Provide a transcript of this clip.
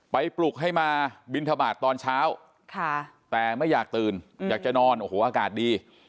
ปลุกให้มาบินทบาทตอนเช้าแต่ไม่อยากตื่นอยากจะนอนโอ้โหอากาศดี